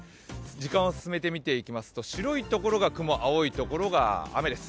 時間を進めてみていきますと白いところが雲、青いところが雨です。